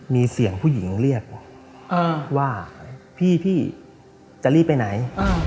มีเสียงผู้หญิงเรียกว่าพี่จะรีบไปไหน